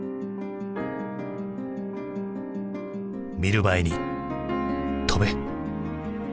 見る前に飛べ。